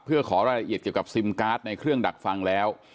เพื่อขอรายละเอียดเกี่ยวกับซิมการ์ดในเครื่องดักฟังแล้ว